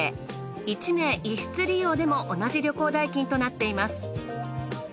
１名１室利用でも同じ旅行代金となっています。